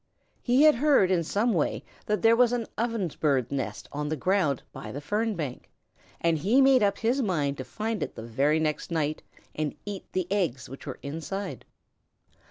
He had heard in some way that there was an Ovenbird's nest on the ground by the fern bank, and he made up his mind to find it the very next night and eat the eggs which were inside.